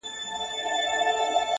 • شیرینی به یې لا هم ورته راوړلې,